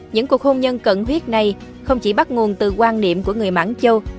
những cuộc hôn nhân cận huyết này không chỉ bắt nguồn từ quan niệm của người mãng châu